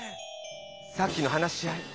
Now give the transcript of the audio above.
さっきの話し合い